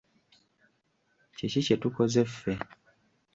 Kiki kye tukoze ffe?